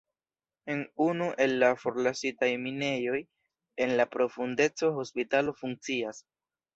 En unu el la forlasitaj minejoj en la profundeco hospitalo funkcias.